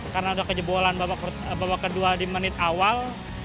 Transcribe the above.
karena sudah kejebolan babak kedua di menit awal